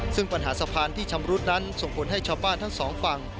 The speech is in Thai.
ซึ่งปัญหาสะพานที่ชำรุดนั้นส่งผลให้ชาวบ้านทั้งสองฝั่ง